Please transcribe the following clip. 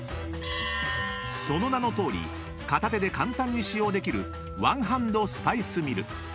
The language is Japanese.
［その名のとおり片手で簡単に使用できるワンハンドスパイスミル］